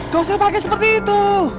gak usah pakai seperti itu